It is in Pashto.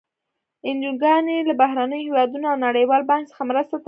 انجوګانې له بهرنیو هېوادونو او نړیوال بانک څخه مرستې تر لاسه کوي.